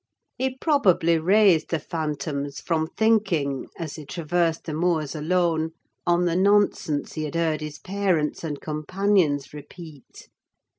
He probably raised the phantoms from thinking, as he traversed the moors alone, on the nonsense he had heard his parents and companions repeat.